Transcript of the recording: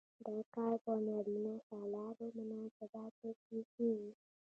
دا کار په نارینه سالارو مناسباتو کې کیږي.